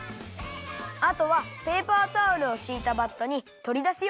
あとはペーパータオルをしいたバットにとりだすよ。